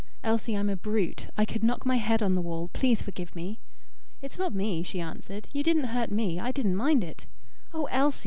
"Elsie, I'm a brute. I could knock my head on the wall. Please forgive me." "It's not me," she answered. "You didn't hurt me. I didn't mind it." "Oh, Elsie!